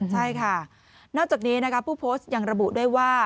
ใช่ค่ะนอกจากนี้นะคะผู้โพสต์ยังระบุด้วยว่า